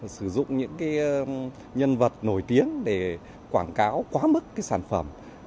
sử dụng những nhân vật nổi tiếng để quảng cáo quá mức sản phẩm